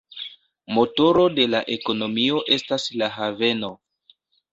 Motoro de la ekonomio estas la haveno.